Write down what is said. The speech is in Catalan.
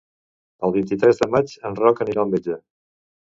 El vint-i-tres de maig en Roc anirà al metge.